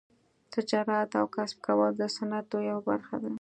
تجارت او کسب کول د سنتو یوه برخه ده.